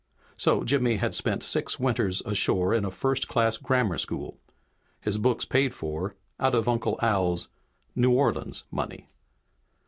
So Jimmy had spent six winters ashore in a first class grammar school, his books paid for out of Uncle Al's "New Orleans" money.